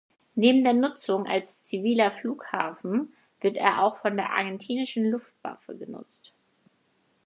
Neben der Nutzung als ziviler Flughafen wird er auch von der argentinischen Luftwaffe genutzt.